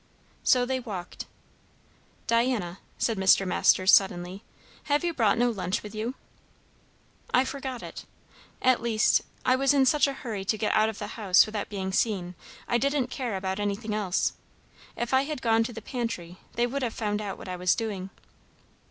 So they walked. "Diana," said Mr. Masters suddenly, "have you brought no lunch with you?" "I forgot it. At least, I was in such a hurry to get out of the house without being seen, I didn't care about anything else. If I had gone to the pantry, they would have found out what I was doing."